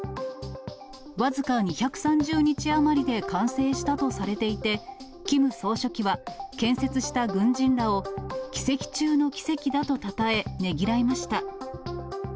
僅か２３０日余りで完成したとされていて、キム総書記は、建設した軍人らを奇跡中の奇跡だとたたえ、ねぎらいました。